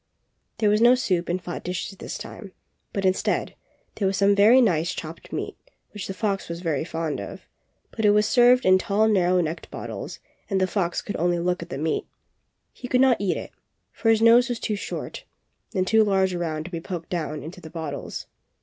There was no soup in flat dishes this time, but, instead, there was some very nice chopped meat which the fox was very fond of, — but it was served in tall narrow necked bottles and the fox could only look at the meat. He could not eat it, for his nose was too short and too large around to be poked down into the bottles.